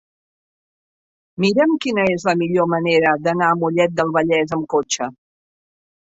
Mira'm quina és la millor manera d'anar a Mollet del Vallès amb cotxe.